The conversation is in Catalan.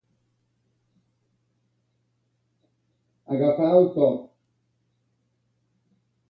Agafar el to.